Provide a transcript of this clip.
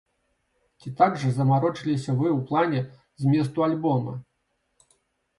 Ці так жа замарочыліся вы ў плане зместу альбома?